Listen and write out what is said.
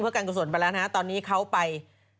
เพื่อการก่อสนตอนนี้เค้าไป